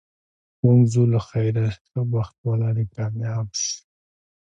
موږ ځو له خیره، ښه بخت ولرې، کامیاب شه.